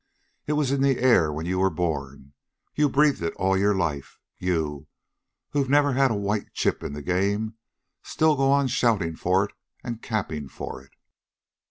It was in the air when you were born. You've breathed it all your life. You, who 've never had a white chip in the game, still go on shouting for it and capping for it."